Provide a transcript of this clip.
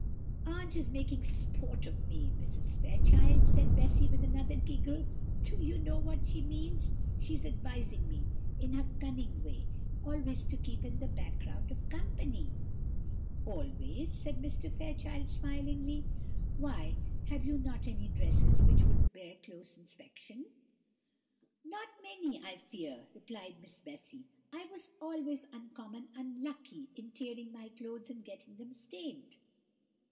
"Aunt is making sport of me, Mrs. Fairchild," said Bessy, with another giggle; "do you know what she means? She is advising me, in her cunning way, always to keep in the background of company." "Always?" said Mr. Fairchild, smiling; "why, have you not any dresses which would bear close inspection?" "Not many, I fear!" replied Miss Bessy; "I was always uncommon unlucky in tearing my clothes and getting them stained."